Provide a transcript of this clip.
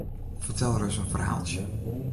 Fertel ris in ferhaaltsje?